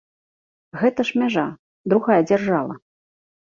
Гэта ж мяжа, другая дзяржава.